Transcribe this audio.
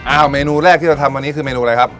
เมนูแรกที่เราทำวันนี้คือเมนูอะไรครับ